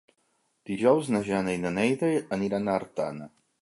Dilluns na Jana i na Neida aniran a Artana.